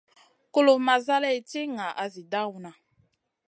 Kulufn ma zaleyn ti ŋaʼa zi dawna.